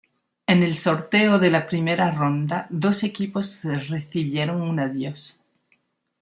En el sorteo de la primera ronda, dos equipos recibieron un adiós.